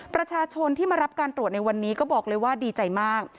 ประชาชนที่มารับการตรวจในวันนี้ก็บอกเลยว่าดีใจมาก